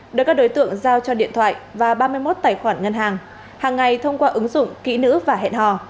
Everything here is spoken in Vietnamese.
được các đối tượng giao cho điện thoại và ba mươi một tài khoản ngân hàng hàng ngày thông qua ứng dụng kỹ nữ và hẹn hò